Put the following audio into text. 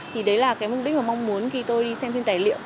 thì đấy là cái mục đích mà mong muốn khi tôi đi xem phim tài liệu